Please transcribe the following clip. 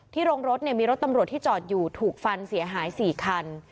ที่โรงรถมียนต์ที่จอดอยู่ถูกฟันเสียหาย๔คัน